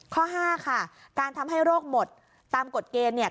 ข้อห้าค่ะการทำให้โรคหมดตามกฎเกณฑ์เนี่ย